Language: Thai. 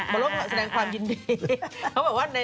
บริโรคแสดงความยินดี